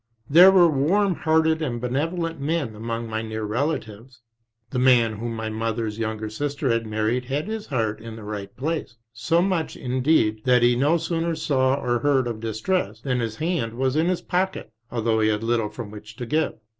There were warm hearted and benevolent men among my near relatives.. The man whom my mother's younger sister had married had his heart in the right place, so much indeed TRANSITIONAL YEARS 103 that he no sooner saw or heard of distress than his hand was in his pocket, although he had little from which to give.